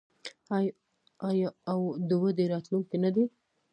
آیا او د دوی راتلونکی نه دی؟